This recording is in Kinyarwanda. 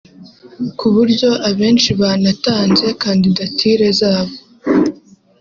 ku buryo abenshi banatanze kandidatire zabo